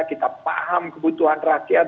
kita paham kebutuhan rakyat